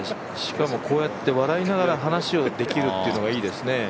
こうやって笑いながら話をできるっていうのはいいですね。